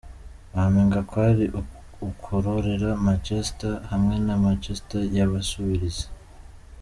Wamenga kwari ukurorera Manchester hamwe na Manchester y'abasubirizi.